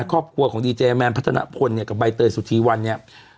ครอบครัวของดีเจแมนพัฒนพลเนี่ยกับใบเตยสุธีวันเนี่ย